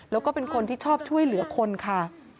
แล้วก็เป็นคนที่ชอบช่วยเหลือคนค่ะ